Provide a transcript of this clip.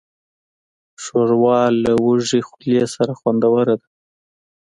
ښوروا له وږې خولې سره خوندوره ده.